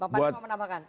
bapaknya mau menambahkan